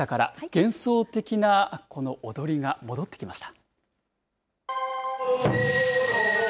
幻想的なこの踊りが戻ってきました。